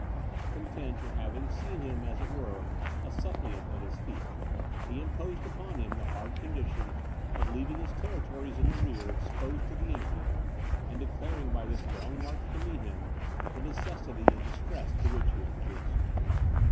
Not content with having seen him, as it were, a suppliant at his feet, he imposed upon him the hard condition of leaving his territories in his rear exposed to the enemy, and declaring by this long march to meet him, the necessity and distress to which he was reduced.